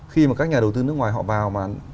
khi mà các nhà đầu tư nước ngoài họ vào mà